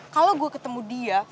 kalau gue ketemu dia